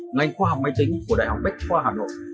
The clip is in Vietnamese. ngành khoa học máy tính của đại học bách khoa hà nội